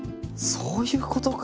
そういうことか！